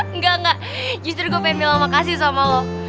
enggak enggak justru gue pengen bilang makasih sama lo